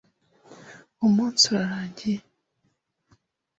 Umunsi urarangiye.